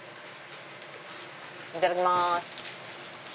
いただきます。